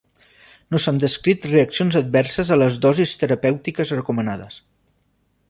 No s'han descrit reaccions adverses a les dosis terapèutiques recomanades.